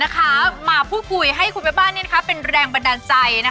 กับว่ายของแม่บ้านเธอ